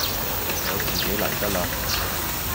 我自己嚟得喇